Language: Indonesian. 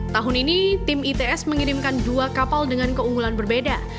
tahun ini tim its mengirimkan dua kapal dengan keunggulan berbeda